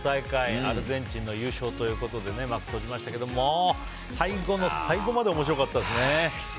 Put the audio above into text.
アルゼンチンの優勝ということで幕を閉じましたけど最後の最後まで面白かったですね。